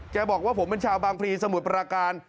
บอกว่าผมเป็นชาวบางพลีสมุทรปราการ